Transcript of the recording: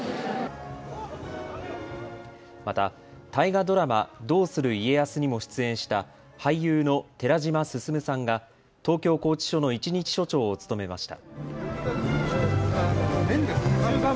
また大河ドラマ、どうする家康にも出演した俳優の寺島進さんが東京拘置所の１日所長を務めました。